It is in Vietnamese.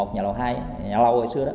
một nhà lầu hai